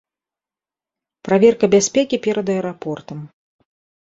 Праверка бяспекі перад аэрапортам.